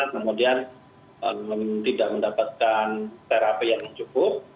kemudian tidak mendapatkan terapi yang cukup